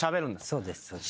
そうですそうです。